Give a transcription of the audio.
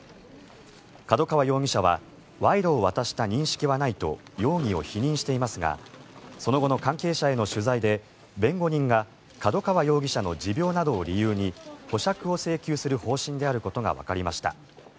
角川容疑者は賄賂を渡した認識はないと容疑を否認していますがその後の関係者への取材で弁護人が角川容疑者の持病などを理由に保釈を請求する方針であることがわかりました。